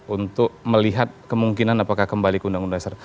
untuk melihat kemungkinan apakah kembali ke undang undang dasar